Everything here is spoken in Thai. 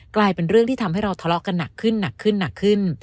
กลายเป็นเรื่องที่ทำให้เราทะเลาะกันหนักขึ้นหนักขึ้นหนักขึ้น